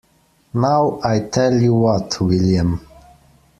Now, I tell you what, William!